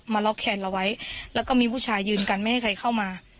ล็อกแขนเราไว้แล้วก็มีผู้ชายยืนกันไม่ให้ใครเข้ามา